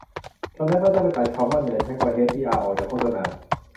จนแอปเปิลต้องไปตัดคำว่า เหนือชั้นกว่าเฮชดีอาร์ ออกจากโฆษณา